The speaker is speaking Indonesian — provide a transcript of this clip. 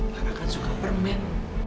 kamu kan suka permen